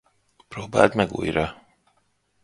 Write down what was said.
Próbáld meg újra!